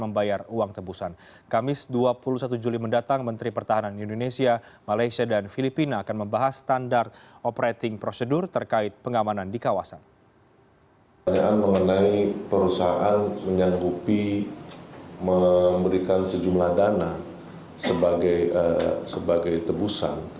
upaya pembebasan masih terus dilakukan berkoordinasi dengan filipina dan malaysia